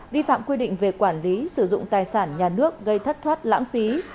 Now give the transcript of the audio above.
vi phạm quy định về quản lý sử dụng tài sản nhà nước gây thất thoát lãng phí